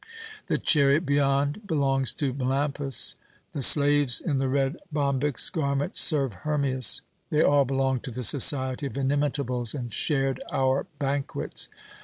The chariot beyond belongs to Melampous. The slaves in the red bombyx garments serve Hermias. They all belong to the society of 'Inimitables,' and shared our banquets.